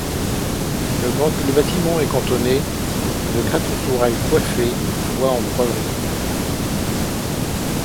Le bâtiment est cantonné de quatre tourelles coiffées de toits en poivrière.